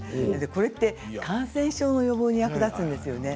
これは感染症の予防に役立つんですよね。